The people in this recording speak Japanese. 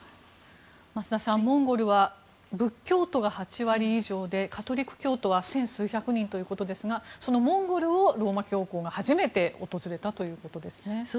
増田さん、モンゴルは仏教徒が８割以上でカトリック教徒は１０００数百人ということですがそのモンゴルをローマ教皇が初めて訪れたということですね。